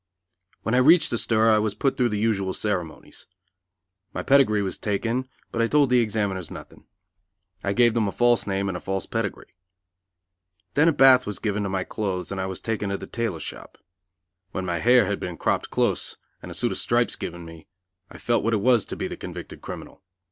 When I reached the stir I was put through the usual ceremonies. My pedigree was taken, but I told the examiners nothing. I gave them a false name and a false pedigree. Then a bath was given to my clothes and I was taken to the tailor shop. When my hair had been cropped close and a suit of stripes given me I felt what it was to be the convicted criminal.